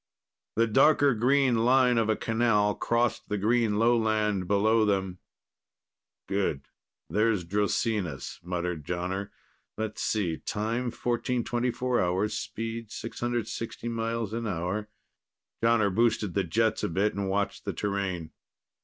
The darker green line of a canal crossed the green lowland below them. "Good, there's Drosinas," muttered Jonner. "Let's see, time 1424 hours, speed 660 miles an hour...." Jonner boosted the jets a bit and watched the terrain.